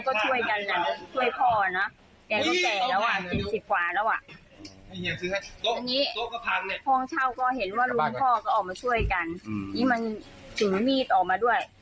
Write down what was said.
พอถอยออกมาก็เลยมาอารวาตตรงนี้แหละ